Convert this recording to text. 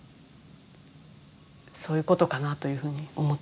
そういうことかなというふうに思っています。